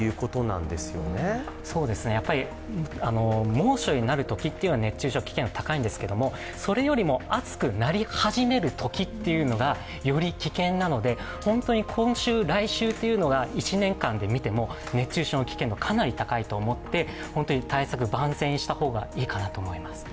猛暑になるときっていうのは熱中症の危険度が高いんですけどそれよりも暑くなり始める時っていうのがより危険なので、本当に今週、来週というのが１年間で見ても熱中症の危険度がかなり高いと思って、対策を万全にした方がいいかと思います。